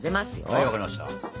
はい分かりました。